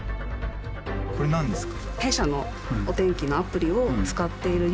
これ何ですか？